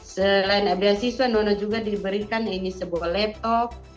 selain beasiswa nono juga diberikan ini sebuah laptop